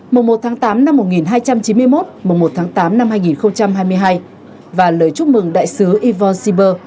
mùa một tháng tám năm một nghìn hai trăm chín mươi một mùng một tháng tám năm hai nghìn hai mươi hai và lời chúc mừng đại sứ ivo shiber